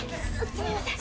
すみません。